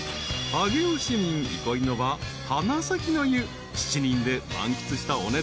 ［上尾市民憩いの場花咲の湯７人で満喫したお値段は］